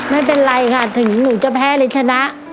ไม่เป็นไรค่ะถึงหนูจะแพ้หรือชนะ